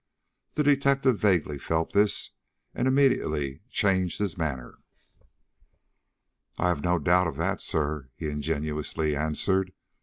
The detective vaguely felt this, and immediately changed his manner. "I have no doubt of that, sir," he ingenuously answered.